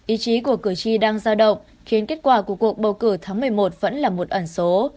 ý chí của cử tri đang giao động khiến kết quả của cuộc bầu cử tháng một mươi một vẫn là một ẩn số